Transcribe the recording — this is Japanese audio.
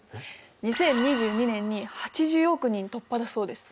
２０２２年に８０億人突破だそうです。